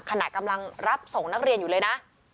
ขณะกำลังรับส่งนักเรียนอยู่เลยนะ